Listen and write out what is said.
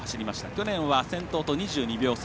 去年は先頭と２２秒差。